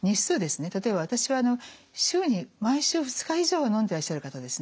例えば私は週に毎週２日以上のんでいらっしゃる方ですね